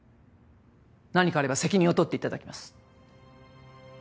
何かあれば責任を取って頂きます。